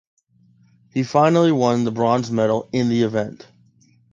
He finally won the bronze medal in the event.